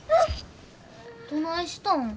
どないしたん？